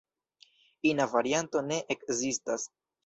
Ina varianto ne ekzistas.